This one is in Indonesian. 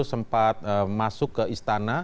sempat masuk ke istana